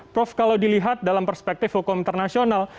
prof kalau dilihat dalam perspektif hukum internasional